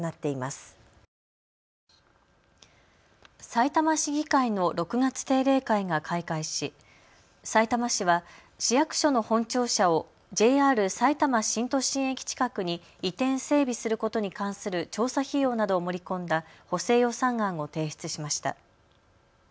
さいたま市議会の６月定例会が開会し、さいたま市は市役所の本庁舎をＪＲさいたま新都心駅近くに移転・整備することに関する調査費用などを盛り込んだ補正予算案を提出しました。